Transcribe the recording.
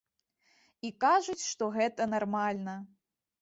І кажуць, што гэта нармальна.